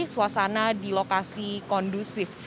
suasana di lokasi kondusif